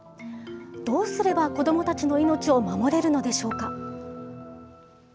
どうすれば子どもたちの命を守れるのでしょうか。